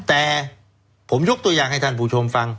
แต่ผมยกตัวอย่างให้ท่านผู้ชมฟัง